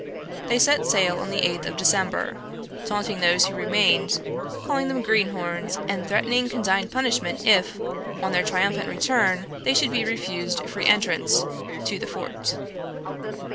They set sail on the eighth of December, taunting those who remained, calling them greenhorns, and threatening condign punishment if, on their triumphant return, they should be refused free entrance to the fort.